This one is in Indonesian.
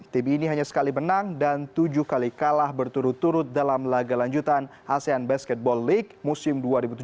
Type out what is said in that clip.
tb ini hanya sekali menang dan tujuh kali kalah berturut turut dalam laga lanjutan asean basketball league musim dua ribu tujuh belas